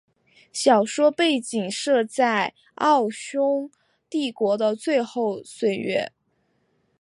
小说背景设在奥匈帝国的最后岁月。